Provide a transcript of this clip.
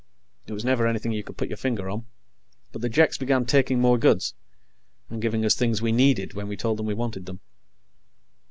It was never anything you could put your finger on, but the Jeks began taking more goods, and giving us things we needed when we told them we wanted them.